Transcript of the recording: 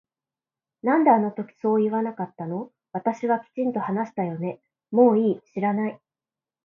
なんであの時そう言わなかったの私はきちんと話したよねもういい知らない